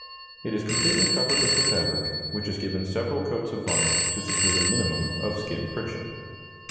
It is completely covered with the fabric, which is given several coats of varnish to secure the minimum of skin friction.